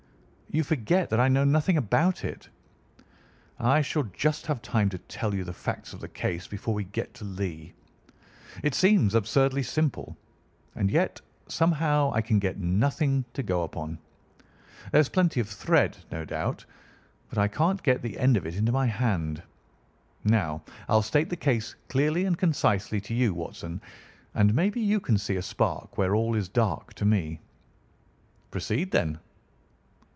"You forget that I know nothing about it." "I shall just have time to tell you the facts of the case before we get to Lee. It seems absurdly simple, and yet, somehow I can get nothing to go upon. There's plenty of thread, no doubt, but I can't get the end of it into my hand. Now, I'll state the case clearly and concisely to you, Watson, and maybe you can see a spark where all is dark to me." "Proceed, then."